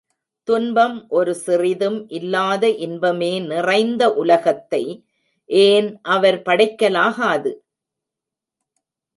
துன்பம் ஒரு சிறிதும் இல்லாத இன்பமே நிறைந்த உலகத்தை ஏன் அவர் படைக்கலாகாது?